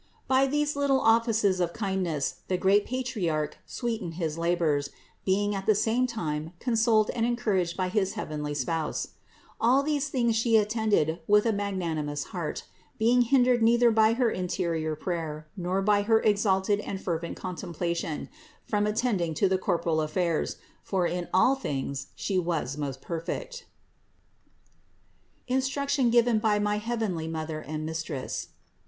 By these little offices of kindness the great Patriarch sweetened his labors, being at the same time consoled and encouraged by his, heavenly Spouse. To all things She attended with a magnanimous heart, being hindered neither by her interior prayer, nor by her exalted and fervent contemplation, from attending to the corporal affairs; for in all things She was most perfect. THE INCARNATION 537 INSTRUCTION GIVEN BY MY HEAVENLY MOTHER AND MISTRESS.